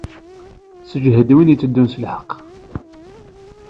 Sseǧhed win itteddun s lḥeqq.